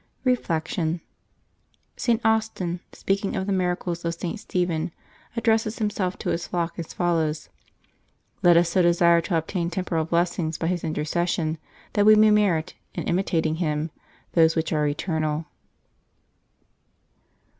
Reflection. — St. Austin, speaking of the miracles of St. Stephen, addresses himself to his flock as follows: ^^Let us so desire to obtain temporal blessings by his intercession that we may merit, in imitating him, those which are eternal.''